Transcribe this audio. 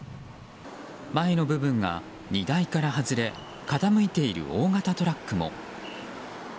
前の部分が荷台から外れ傾いている大型トラックも。